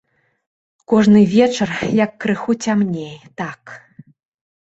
Кожны вечар, як крыху цямней, так.